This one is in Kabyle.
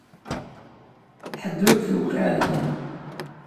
Ḥedd ur t-tewqiɛ deg-i.